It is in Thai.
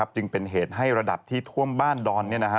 จึงเป็นเหตุให้ระดับที่ท่วมบ้านดอน